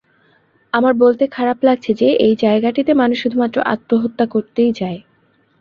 আমার বলতে খারাপ লাগছে যে, এই জায়গাটিতে মানুষ শুধুমাত্র আত্মহত্যা করতেই যায়।